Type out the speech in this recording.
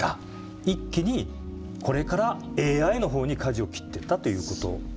一気にこれからＡＩの方にかじを切っていったということ。